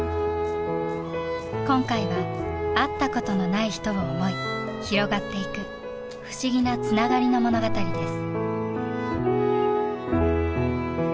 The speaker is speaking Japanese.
今回は会ったことのない人を想い広がっていく不思議なつながりの物語です。